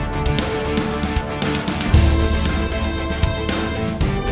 kok selalu gatis tapi tak ada sasar